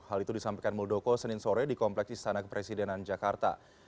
hal itu disampaikan muldoko senin sore di kompleks istana kepresidenan jakarta